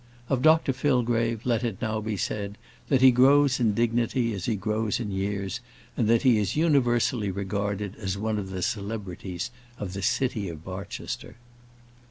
Of Dr Fillgrave, let it now be said, that he grows in dignity as he grows in years, and that he is universally regarded as one of the celebrities of the city of Barchester.